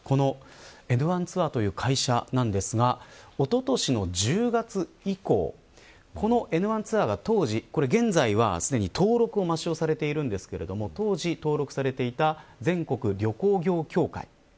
エヌワンツアーという会社なんですがおととしの１０月以降このエヌワンツアーが当時現在はすでに登録を抹消されているんですが当時登録されていた全国旅行業協会